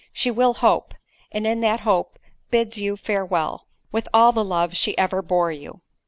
—She will hope—and in that hope, bids you farewell, with all the love she ever bore you.